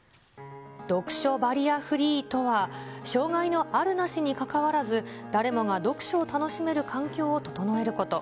読書バリアフリーとは、障がいのあるなしにかかわらず、誰もが読書を楽しめる環境を整えること。